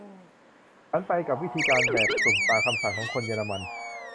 ฉันไปกับวิธีการแบบสุ่มตามคำสั่งของคนเยอรมัน